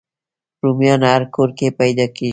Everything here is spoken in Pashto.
رومیان هر کور کې پیدا کېږي